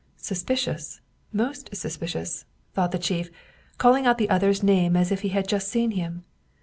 " Suspicious, most suspicious !" thought the chief, calling out the other's name as if he had just seen him.